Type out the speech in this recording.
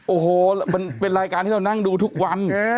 โอ้โหมันเป็นรายการที่เรานั่งดูทุกวัน